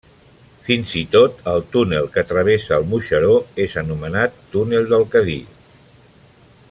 Fins i tot el túnel que travessa el Moixeró és anomenat túnel del Cadí.